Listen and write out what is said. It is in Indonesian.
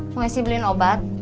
mau isi beliin obat